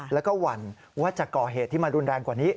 แล้วก็หวั่นว่าจะก่อเหตุที่มารุนแรงกว่านี้